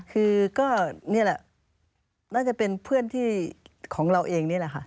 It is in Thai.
คือก็นี่แหละน่าจะเป็นเพื่อนที่ของเราเองนี่แหละค่ะ